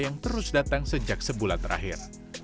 yang terus datang sejak sebulan terakhir